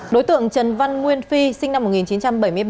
đối tượng trần văn nguyên phi sinh năm một nghìn chín trăm bảy mươi ba